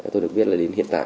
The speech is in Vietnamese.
tôi được biết là đến hiện tại